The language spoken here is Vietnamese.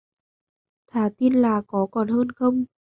thà tin là có còn hơn không